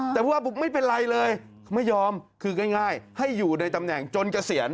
แต่ผู้ว่าไม่เป็นไรเลยไม่ยอมคือง่ายให้อยู่ในตำแหน่งจนเกษียณ